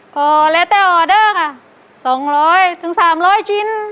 ก็แล้วแต่ออเดอร์ค่ะ๒๐๐๓๐๐ชิ้น